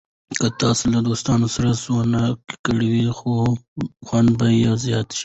که تاسو له دوستانو سره سونا وکړئ، خوند به زیات شي.